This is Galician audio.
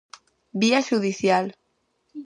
Vía xudicial.